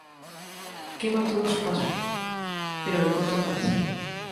Quema todo a su paso, pero de corto alcance.